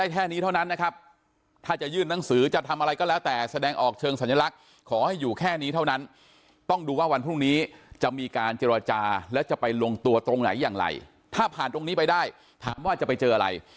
ตรงไหนอย่างไรถ้าผ่านตรงนี้ไปได้ถามว่าจะไปเจออะไร